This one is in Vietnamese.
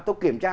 tôi kiểm tra